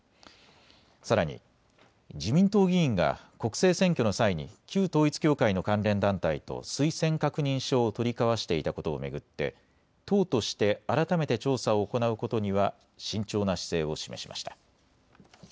さらに自民党議員が国政選挙の際に旧統一教会の関連団体と推薦確認書を取り交わしていたことを巡って党として改めて調査を行うことには慎重な姿勢を示しました。